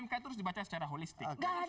mk terus dibaca secara holistik